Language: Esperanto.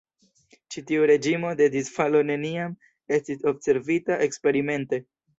Ĉi tiu reĝimo de disfalo neniam estis observita eksperimente.